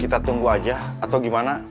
kita tunggu aja atau gimana